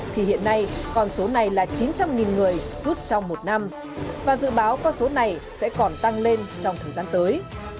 thì hiện nay con số này là chín trăm linh người rút trong một năm và dự báo con số này sẽ còn tăng lên trong thời gian tới